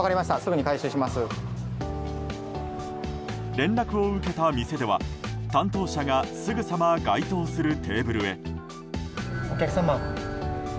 連絡を受けた店では担当者がすぐさま該当するテーブルへ。